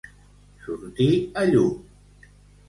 Sortir a llum.